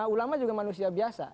ulama juga manusia biasa